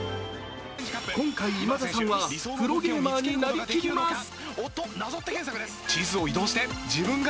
今回、今田さんはプロゲーマーになりきります。